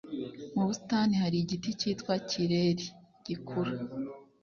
Mu busitani hari igiti cyitwa kireri gikura.